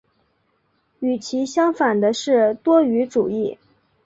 与其相反的是多语主义。